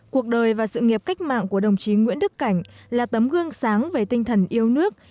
cuộc đời và sự nghiệp cách mạng của đồng chí nguyễn đức cảnh là tấm gương sáng về tinh thần yêu nước